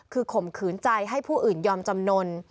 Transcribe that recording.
คือข่มขืนใจให้ผู้อื่นยอมจำนวน